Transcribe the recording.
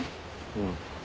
うん。